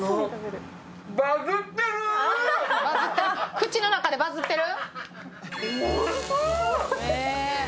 口の中でバズってる？